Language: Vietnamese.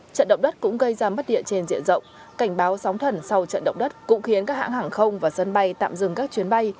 trận động đất cũng gây ra mất địa trên diện rộng cảnh báo sóng thần sau trận động đất cũng khiến các hãng hàng không và sân bay tạm dừng các chuyến bay